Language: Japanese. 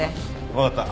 分かった。